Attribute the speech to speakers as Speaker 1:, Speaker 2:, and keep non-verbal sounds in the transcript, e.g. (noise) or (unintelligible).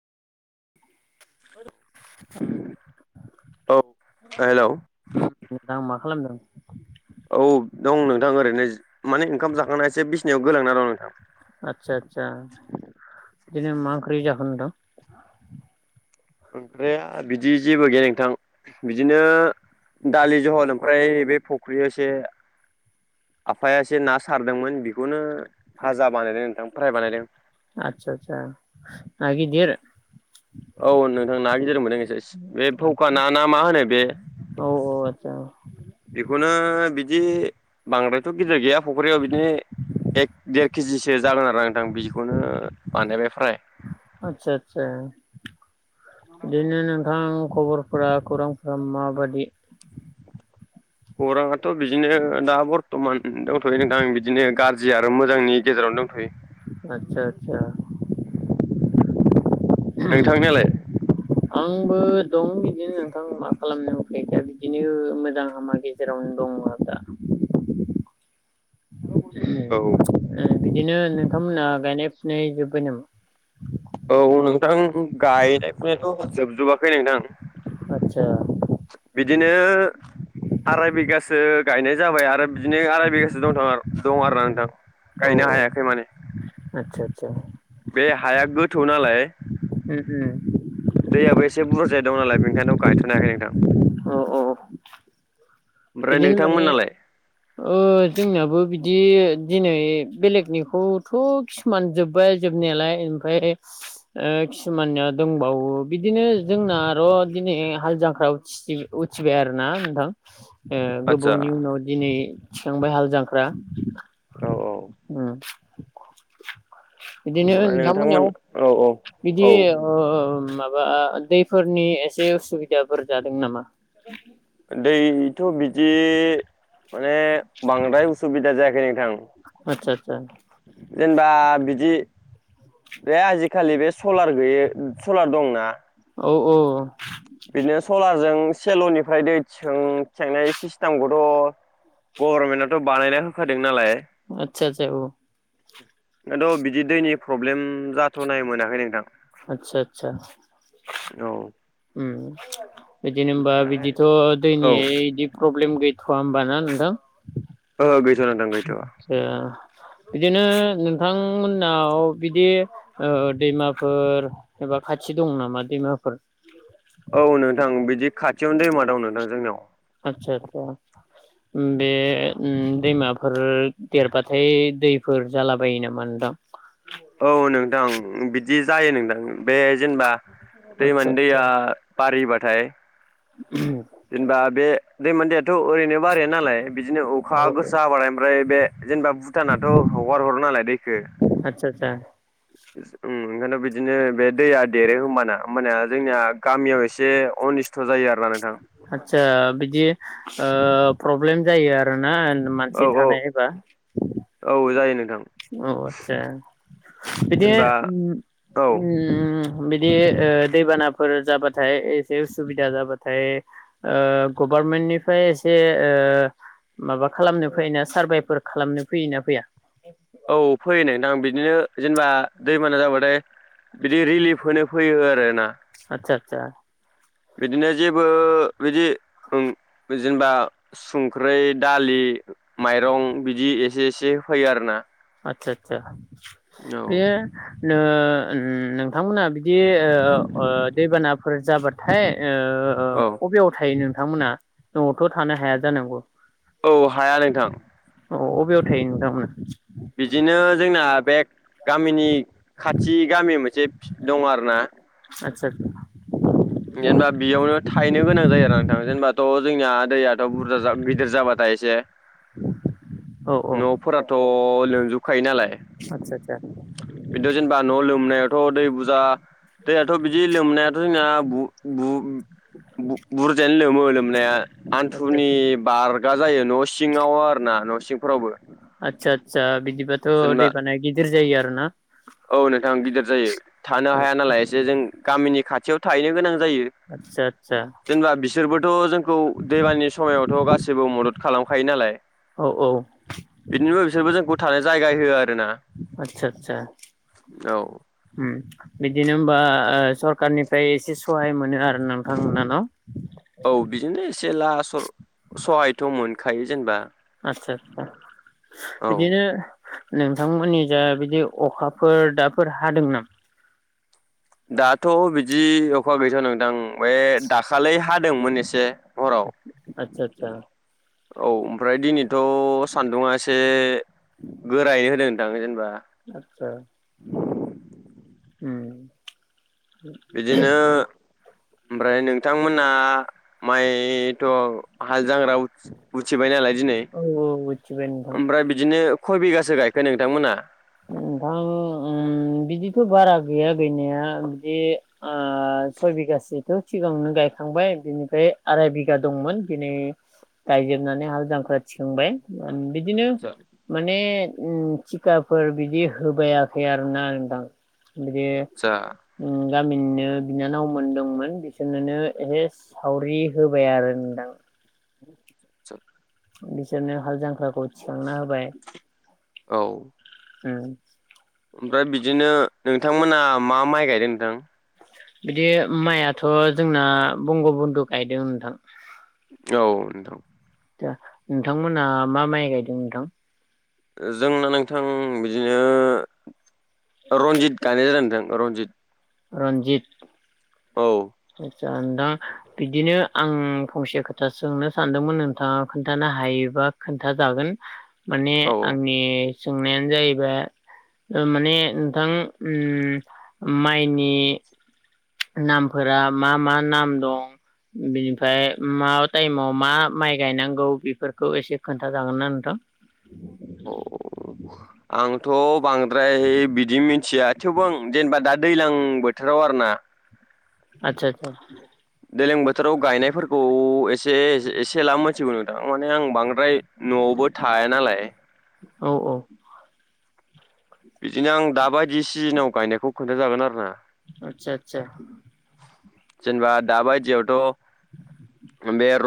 Speaker 1: औ हेलौ
Speaker 2: (unintelligible) उम नोथां मा खालामदों?
Speaker 1: औ दं नोंथां ओरैनो माने ओंखाम जाखांना एसे बिसनायाव गोलांना दं नोंथां।
Speaker 2: आदसा आदसा बिदिनो मा ओंख्रि जाखो नोंथां?
Speaker 1: ओमफ्राय बिदि जेबो गैया नोंथां बिदिनो दालि जहल ओमफ्राय बे फख्रियाव एसे आफाया एसे ना सारदोंमोन बेखौनो भाजा बानायदों नोंथां फ्राई बानायदों।
Speaker 2: आदसा आदसा ना गिदिर?
Speaker 1: औ नोंथां ना गिदिर मोनदों एस बे फौखा ना ना मा होनो बे।
Speaker 2: औ औ आतसा।
Speaker 1: बेखौनो बिदि बांद्रायथ' गिदिर गैया फख्रियाव बिदि एक देर केजिसो जागोन आरो नोंथां बिखौनो बानायबाय फ्राय।
Speaker 2: आतसा आतसा। दे नोंथां खबरफोरा खौरांफोरा माबादि?
Speaker 1: खौराङाथ' बिदिनो दा बरथ'मान दंथ'यो नोंथां बिदिनो गाज्रि आरो मोजांनि गेजेरावनो दंथ'यो।
Speaker 2: आतसा।
Speaker 1: नोंथांनियालाय?
Speaker 2: (unintelligible) आंबो दं बिदिनो नोंथां मा खालामनो उफाय गैया बिदिनो मोजां हामा गे जेराव दङ दा।
Speaker 1: औ
Speaker 2: बिदिनो नोंथांमोना गायनाय फुनाय जोब्बाय नामा?
Speaker 1: औ नोंथां गायनाय फुनायाथ' जोबजोबाखै नोंथां।
Speaker 2: आतसा।
Speaker 1: बिदिनो आराय बिगासो गायनाय जाबाय आरो बिदिनो आराय बिगासो दंथ'र। दं आरो ना
Speaker 2: औ
Speaker 1: नोंथां गायनो हायाखै माने।
Speaker 2: आतसा आतसा।
Speaker 1: बे हाया गोथौ नालाय।
Speaker 2: उम उम।
Speaker 1: दैयाबो एसे बुरजायै दं नालाय बेनिखायनो गायथ'नोहायाखै नोंथां।
Speaker 2: अ अ
Speaker 1: ओमफ्राय
Speaker 2: बिदिनो माने।
Speaker 1: नोंथांमोननालाय?
Speaker 2: ओ जोंनाबो बिदि दिनै बेलेगनिखौथ'। खिसुमान जोब्बाय जोबनायालाय इमफाय। ओ खिसुमाननिया दंबावो बिदिनो जोंना आर' दिनै हाल जांखारयाव। उथिबाय आरो ना नोंथां। ओ
Speaker 1: आदसा
Speaker 2: गोबावनि उनाव दिनै थिखांबाय हालजांख्रा।
Speaker 1: औ
Speaker 2: ओम। बिदिनो
Speaker 1: ओमफ्राय नोंथांमोन
Speaker 2: नोंथांमोननियाव
Speaker 1: औ औ
Speaker 2: बिदि
Speaker 1: औ
Speaker 2: ओ मा माबा आ दैफोरनि एसे उसुबिदाफोर जादों नामा।
Speaker 1: दैथ' बिदि माने बांद्राय उसुबिदा जायाखै नोंथां।
Speaker 2: आतसा आतसा।
Speaker 1: जेनेबा बिदि बे आजिखालि बे सलार गैय सलार दंना।
Speaker 2: औ औ।
Speaker 1: बिदिनो सलारजों सेल'निफ्राय दै थिखां थिखांनाय सिस्टेमखौथ'। गभारर्नमेन्टआथ' बानायना होखादों नालाय।
Speaker 2: आतसा आतसा औ।
Speaker 1: दाथ' बिदि दैनि प्रब्लेम जाथ'नाय मोनाखै नोंथां।
Speaker 2: आतसा आतसा
Speaker 1: औ
Speaker 2: ओम। बिदिनो होनबा
Speaker 1: ओमफ्राय
Speaker 2: बिदिथ'
Speaker 1: औ
Speaker 2: दैनि इदि प्रब्लेम गैथ'वा होमबा ना नोंथां।
Speaker 1: अ गैथ'वा नोंथां गैथ'वा।
Speaker 2: ओ बिदिनो नोंथांमोननाव बिदि। ओ ओ दैमाफोर एबा खाथि दं नामा दैमाफोर।
Speaker 1: औ नोंथां बिदि खाथियावनो दैमा दं नोंथां जोंनियाव।
Speaker 2: आतसा आतसा। उम बे उम दैमाफोर देरबाथाय दैफोर जालाबायो नामा नोंथां।
Speaker 1: औ नोंथां बिदि जायो नोंथां बे जेनेबा
Speaker 2: आतसा
Speaker 1: दैमानि
Speaker 2: आतसा
Speaker 1: दैया बारिबाथाय
Speaker 2: (unintelligible)
Speaker 1: जेनेबा बे दैमानि दैयाथ' ओरैनो बाराया नालाय बिदिनो
Speaker 2: औ
Speaker 1: अखा गोसा हाबाथाय ओमफ्राय बे जेनेबा भुटानाथ' हगार हरो नालाय दैखो
Speaker 2: आतसा आतसा
Speaker 1: (unintelligible) ओम ओंखायथ' बिदिनो बे दैया देरो होमबाना होमबाना जोंनिया गामियाव एसे अनिस स्थ' जायो आरो नोंथां
Speaker 2: आतसा बिदि ओ प्रब्लेम जायो आरोना मानसि
Speaker 1: औ औ
Speaker 2: थानाय होबा
Speaker 1: औ जायो नोंथां
Speaker 2: अ आतसा बिदि
Speaker 1: जेनेबा
Speaker 2: ओम
Speaker 1: औ
Speaker 2: ओम ओम बिदि ओ दैबानाफोर जाबाथाय एसे उसुबिदा जाबाथाय ओ गभारमेन्टनिफ्राय एसे ओ माबा खालामनो फैयो ना सारभेफोर खालामनो फैयोना फैया?
Speaker 1: औ फैयो नोथां बिदिनो जेनेबा दैमाबाना जाबाथाय बिदि रिलिफ होनो फैयो आरो ना।
Speaker 2: आतसा आतसा
Speaker 1: बिदिनो जेबो बिदि ओं जों दा संख्रै, दालि, माइरं बिदि एसे एसे होफैयो आरो ना।
Speaker 2: आतसा आतसा बेयो नो नोंथांमोना बिदि ओ ओ दैबानाफोर जाबाथाय ओ
Speaker 1: औ
Speaker 2: ओ अबेयाव थायो नोंथांमोना न'आवथ' थानो हाया जानांगौ ओ
Speaker 1: औ हाया नोंथां।
Speaker 2: औ बबेयाव थायो नोंथां मोना?
Speaker 1: बिदिनो जोंना बे गामिनि खाथि गामि मोनसे दङ आरोना।
Speaker 2: आतसा आतसा
Speaker 1: जेनबा बेयावनो थाहैनो गोनां जायो आरोना नोंथां जेनेबाथ' जोंनिया दैयाथ' बुरजा गिदिर जाबाथाय एसे
Speaker 2: औ औ
Speaker 1: न' फोराथ' लोंजोबखायो नालाय।
Speaker 2: आतसा आतसा
Speaker 1: बिदिथ' जेनेबा न' लोमनायाथ' दै बुरजा दैयाथ' बिदि लोमनायाथ' जोंना बु-बु-बु बुरजायानो लोमो लोमनाया
Speaker 2: आदसा आदसा
Speaker 1: हिन्थुनि बारगा जायो न' सिङाव आरोना न' सिंफोरावबो
Speaker 2: आतसा आतसा बिदिबाथ'
Speaker 1: जेनेबा
Speaker 2: दैबानाया गिदिर जायो आरो ना।
Speaker 1: औ नोंथां गिदिर जायो थानो हाया नालाय एसे जों गामिनि खाथियाव थाहैनो गोनां जायो।
Speaker 2: आदसा आदसा
Speaker 1: जेनबा बिसोरबोथ' जोंखौ दै बानानि समायाव थ' गासिबो मदद खालामखायो नालाय।
Speaker 2: औ औ
Speaker 1: बिदिनो बिसोरबो जोंखौ थानो जायगा होयो आरो ना।
Speaker 2: आतसा आतसा
Speaker 1: औ
Speaker 2: होम बिदिनो होमबा ओ सरखारनिफ्राय एसे सहाय मोनो आरो नोंथांमोना न'।
Speaker 1: औ बिजोंनो एसे ला स सहायथ' मोनखायो जेनबा।
Speaker 2: आतसा आतसा बिदिनो नोंथांमोननि जा बिदि अखाफोर दाफोर हादों नामा?
Speaker 1: दाथ' बिदि अखा गैथ'आ बे दाखालै हादोंमोन एसे। हराव
Speaker 2: आतसा आतसा
Speaker 1: औ ओमफ्राय दिनैथ' सान्दुंआ एसे गोरायै होदों नोंथां जेनबा।
Speaker 2: आतसा उम
Speaker 1: बिदिनो ओमफ्राय नोंथांमोनहा माइथ' हाल जांख्रा उथि उथिबाय नालाय दिनै
Speaker 2: औ औ मिथिबाय नोंथां
Speaker 1: ओमफ्राय बिदिनो खय बिगासो गायखो नोंथांमोना?
Speaker 2: नोंथां उम बिदिथ' बारा गैनाया गैया बिदि ओ सय बिगासोखौथ' सिगांनो गायखांबाय बिनिफ्राय आराय बिगा दंमोन दिनै गायजोबनानै हाल जांख्रा थिखांबाय बिदिनो
Speaker 1: आतसा
Speaker 2: माने उम थिखा फोर बिदि होबायाखै आरोना नोंथां बिदि
Speaker 1: आतसा
Speaker 2: उम गामिनिनो बिनानावमोन दंमोन बिसोरनोनो एसे सावरि होबाय आरो नोंथां।
Speaker 1: सोर?
Speaker 2: बिसोरनो हाल जांख्राखौ थिखांना होबाय
Speaker 1: औ
Speaker 2: उम
Speaker 1: ओमफ्राय बिदिनो नोंथांमोना मा माइ गायदों नोंथां?
Speaker 2: बिदि माइआथ' जोंना बंग' बुन्दु गायदों नोंथां।
Speaker 1: औ नोंथां
Speaker 2: नोंथांमोना मा माइ गायदों नोंथां?
Speaker 1: जोंना नोंथां बिदिनो रनजित गायनाय जादों नोंथां रनजित।
Speaker 2: रनजित?
Speaker 1: औ
Speaker 2: आतसा नोंथां बिदिनो आं फंसे खोथा सोंनो सानदोंमोन नोंथाङा खोन्थानो हायोबा खोन्थाजागोन माने
Speaker 1: औ
Speaker 2: आंनि सोंनायानो जाहैबाय ओ माने नोंथां उम माइनि नामफोरा मा मा नाम दं? बिनिफ्राय मा टाइमाव मा माइ गायनांगौ बेफोरखौ एसे खोन्थाजागोनना नोंथां?
Speaker 1: अह आंथ' बांद्राय बिदि मिथिया थेवबो आं जेनेबा दा दैज्लां बोथोराव आरोना
Speaker 2: आतसा आतसा
Speaker 1: दैलां बोथोराव गायनायफोर खौ एसे एसे एला मोनथिगौ नोंथां माने आं बांद्राय न'आवबो थाया नालाय।
Speaker 2: औ औ
Speaker 1: बिदिनो आं दाबायदि सिजोनाव गायनायखौ खोन्थाजागोन आरो ना।
Speaker 2: आतसा आतसा
Speaker 1: जेनेबा दााबायदियावथ' मोबाया